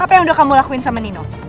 apa yang udah kamu lakuin sama nino